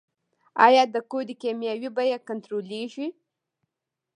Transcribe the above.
آیا د کود کیمیاوي بیه کنټرولیږي؟